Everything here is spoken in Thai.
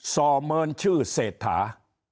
ซ่อเมินชื่อเศรษฐา